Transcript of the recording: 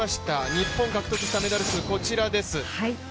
日本獲得したメダル数こちらです。